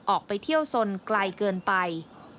ออกไปเที่ยวสนไกลเกินไป